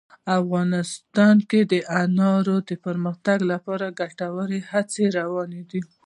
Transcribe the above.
افغانستان کې د انارو د پرمختګ لپاره ګټورې هڅې روانې دي.